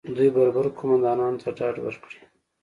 دوی بربر قومندانانو ته ډاډ ورکړي